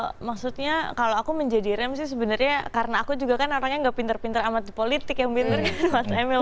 ya maksudnya kalau aku menjadi rem sih sebenarnya karena aku juga kan orangnya gak pinter pinter amat di politik yang pinter gitu mas emil